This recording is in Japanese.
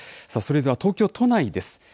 それでは東京都内です。